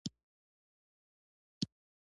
یوې ډډې ته ودرېدو.